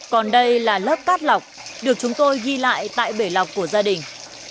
còn đây là lớp cát lọc được chúng tôi ghi lại tại bể lọc của gia đình